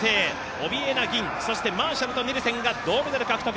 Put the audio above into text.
オビエナ銀、マーシャルとニルセンが銅メダル獲得。